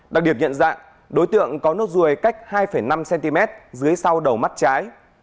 đặc điểm nhận dạng đối tượng có nốt ruồi cách hai năm cm dưới sau đầu mắt trái